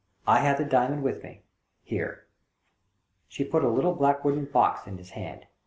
I have the diamond with me. Here." She put a little old black wooden box in his hand.